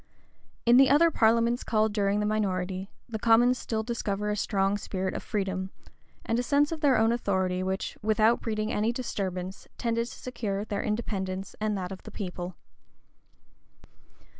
In the other parliaments called during the minority, the commons still discover a strong spirit of freedom, and a sense of their own authority, which, without breeding any disturbance, tended to secure their independence and that of the people.[*] * See note K, at the end of the volume.